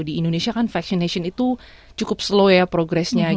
di indonesia kan vaccination itu cukup sering di indonesia kan